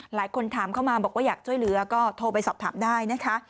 หลายคนถามเข้ามาบอกว่าอยากช่วยเหลือก็โทรไปสอบถามได้นะคะ